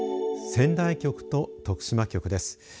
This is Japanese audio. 仙台局と徳島局です。